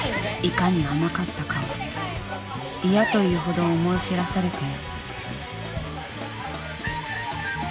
いかに甘かったかを嫌というほど思い知らされて。